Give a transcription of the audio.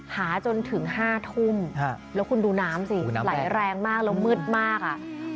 หาจนถึง๕ทุ่มแล้วคุณดูน้ำสิไหลแรงมากแล้วมืดมากอ่ะ